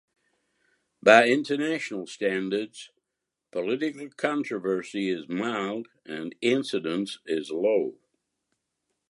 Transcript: By international standards, political controversy is mild and incidence is low.